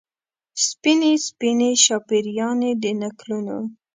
سپینې، سپینې شاپیريانې د نکلونو